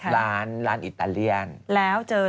ร้านใครคะ